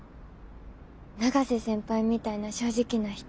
永瀬先輩みたいな正直な人